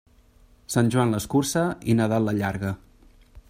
Sant Joan l'escurça i Nadal l'allarga.